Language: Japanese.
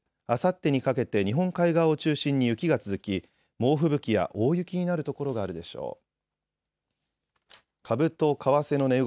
あさってにかけて日本海側を中心に雪が続き、猛吹雪や大雪になるところがあるでしょう。